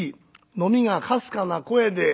のみがかすかな声で』